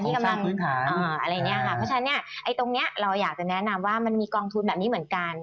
เพราะฉะนั้นตรงนี้เราอยากจะแนะนำว่ามันมีกองทุนแบบนี้เหมือนกัน